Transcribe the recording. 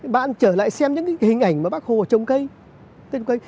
bạn trở lại xem những hình ảnh mà bác hồ trồng cây